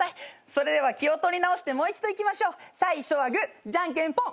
それでは気を取り直してもう一度いきましょう最初はグーじゃんけんぽん。